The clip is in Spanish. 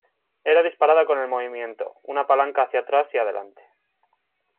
Era disparada con el movimiento una palanca hacia atrás y adelante.